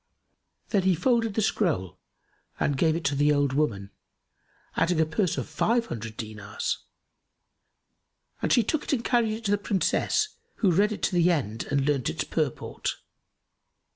Then he folded the scroll and gave it to the old woman, adding a purse of five hundred dinars; and she took it and carried it to the Princess, who read it to the end and learned its purport.